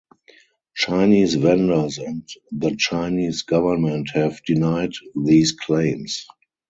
Chinese vendors and the Chinese government have denied these claims.